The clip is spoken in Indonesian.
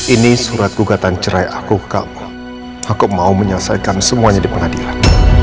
ini surat gugatan cerai aku kamu aku mau menyelesaikan semuanya di pengadilan